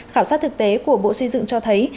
khảo sát thực tế của bộ xây dựng cho thấy